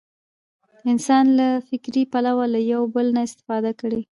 انسان له فکري پلوه له یو بل نه استفاده کړې.